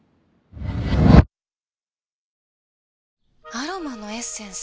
アロマのエッセンス？